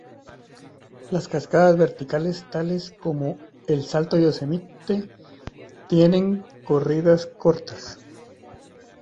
Las cascadas verticales, tales como el Salto Yosemite, tienen corridas cortas.